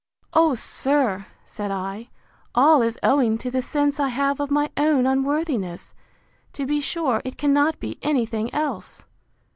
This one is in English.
Oh, sir! said I, all is owing to the sense I have of my own unworthiness!—To be sure, it cannot be any thing else.